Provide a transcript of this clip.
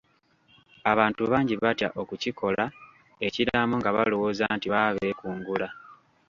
Abantu bangi batya okukikola ekiraamo nga balowooza nti baba beekungula.